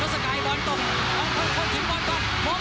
มองคลทิ้งบอลก่อนมองคลทิ้งบอลก่อน